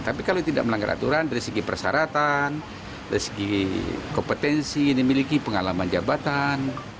tapi kalau tidak melanggar aturan dari segi persyaratan dari segi kompetensi dimiliki pengalaman jabatan